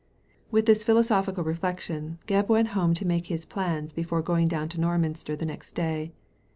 With this philosophical reflection, Gebb went home to make his plans before going down to Norminster the next day.